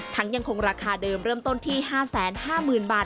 ยังคงราคาเดิมเริ่มต้นที่๕๕๐๐๐บาท